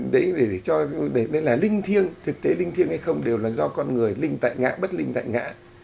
đấy để cho nên là linh thiêng thực tế linh thiêng hay không đều là do con người linh tại ngã bất linh tại ngã